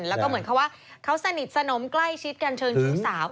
แล้วก็เหมือนเขาว่าเขาสนิทสนมใกล้ชิดกันเชิงชู้สาว